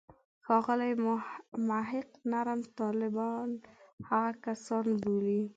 ښاغلی محق نرم طالبان هغه کسان بولي.